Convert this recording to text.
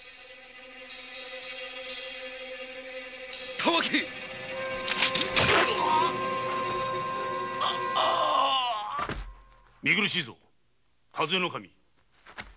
たわけ見苦しいぞ主計頭